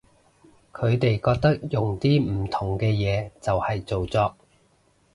佢哋覺得用啲唔同嘅嘢就係造作